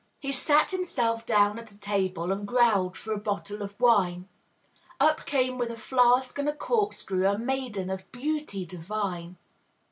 He sat himself down at a table, And growled for a bottle of wine; Up came with a flask and a corkscrew A maiden of beauty divine.